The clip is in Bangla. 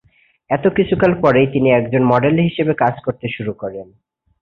এর কিছুকাল পরেই, তিনি একজন মডেল হিসেবে কাজ করতে শুরু করেন।